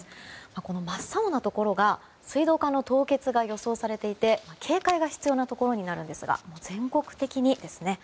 この真っ青なところが水道管の凍結が予想されていて警戒が必要なところになるんですが全国的にですね。